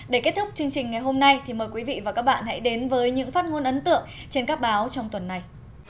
để kết thúc chương trình ngày hôm nay thì mời quý vị và các bạn hãy đến với những phát ngôn ấn tượng trên các báo trong tuần này